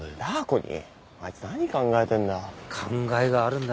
あいつ何考えてんだ。